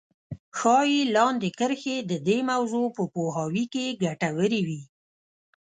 ښايي لاندې کرښې د دې موضوع په پوهاوي کې ګټورې وي.